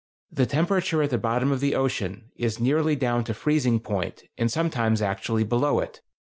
The temperature at the bottom of the ocean is nearly down to freezing point, and sometimes actually below it.